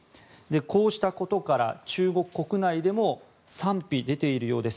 こうしたことから中国国内でも賛否出ているようです。